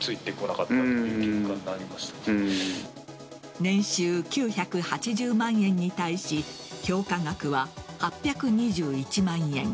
年収９８０万円に対し評価額は８２１万円。